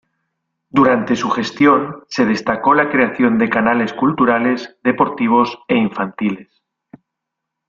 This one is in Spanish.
Durante su gestión se destacó la creación de canales culturales, deportivos e infantiles.